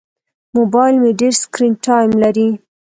موبایل مې ډېر سکرین ټایم لري.